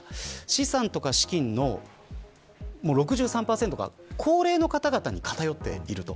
資産とか資金の６３％が高齢の方々に偏っている。